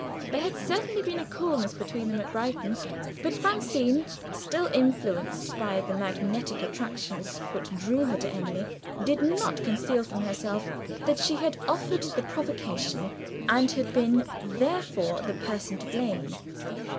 There had certainly been a coolness between them at Brighton. But Francine still influenced by the magnetic attraction which drew her to Emily did not conceal from herself that she had offered the provocation, and had been therefore the person to blame.